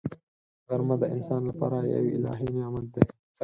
غرمه د انسان لپاره یو الهي نعمت دی